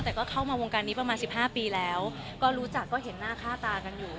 แต่ก็เข้ามาวงการนี้ประมาณสิบห้าปีแล้วก็รู้จักก็เห็นหน้าค่าตากันอยู่